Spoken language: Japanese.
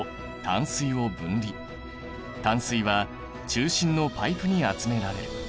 淡水は中心のパイプに集められる。